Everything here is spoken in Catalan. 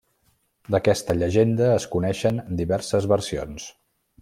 D'aquesta llegenda, es coneixen diverses versions.